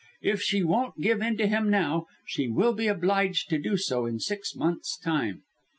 If she won't give in to him now, she will be obliged to do so in six months' time."